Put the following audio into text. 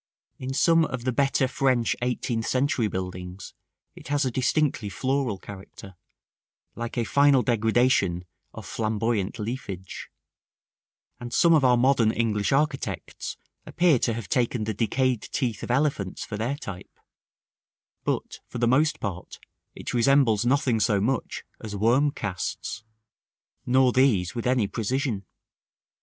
In some of the better French eighteenth century buildings it has a distinctly floral character, like a final degradation of Flamboyant leafage; and some of our modern English architects appear to have taken the decayed teeth of elephants for their type; but, for the most part, it resembles nothing so much as worm casts; nor these with any precision.